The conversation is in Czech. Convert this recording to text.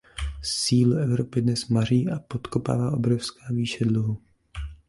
Sílu Evropy dnes maří a podkopává obrovská výše dluhu.